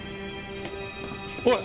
おい！